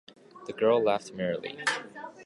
The girl laughed merrily.